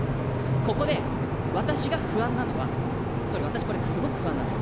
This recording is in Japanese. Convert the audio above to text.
ここで私が不安なのは、総理、私、これ、すごく不安なんです。